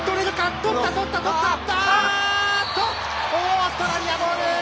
あっとオーストラリアボール！